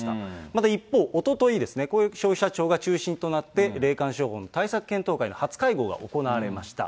また一方、おとといですね、こういう消費者庁が中心となって、霊感商法の対策検討会の初会合が行われました。